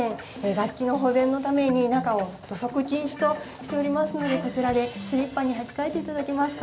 楽器の保全のために中を土足禁止としておりますのでこちらでスリッパに履き替えて頂けますか？